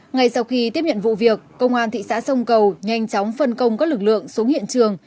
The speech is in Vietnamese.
ngay sau khi tiếp nhận vụ việc công an thị xã sông cầu nhanh chóng phân công các lực lượng xuống hiện trường